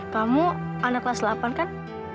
kamu anak kelas delapan kan